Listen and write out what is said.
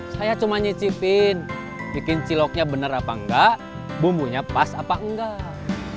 saya cuma nyicipin bikin ciloknya benar apa enggak bumbunya pas apa enggak